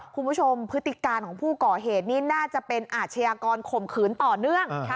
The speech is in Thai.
พฤติการของผู้ก่อเหตุนี่น่าจะเป็นอาชญากรข่มขืนต่อเนื่อง